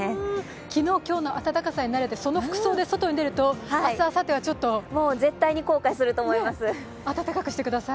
昨日、今日の暖かさに慣れて、その服装で外に出ると明日、あさってはちょっと暖かくしてください。